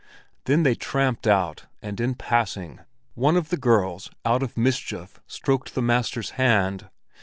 Then they tramped out, and in passing, one of the girls out of mischief stroked the master's hand.